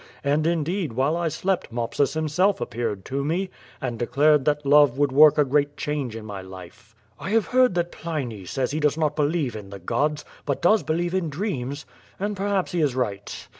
And indeed while I slept Mopsus himself appeared to me, and declared that love would work a great change in my life." "I have heard that Pliny sjiys he does not believe in the gods, but does believe in dreams — and perhaps he is right.